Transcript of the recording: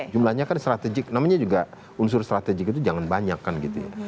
jumlahnya kan strategik namanya juga unsur strategik itu jangan banyak kan gitu ya